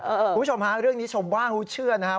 คุณผู้ชมฮะเรื่องนี้ชมบ้านเขาเชื่อนะครับ